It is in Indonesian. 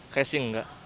kayaknya sih nggak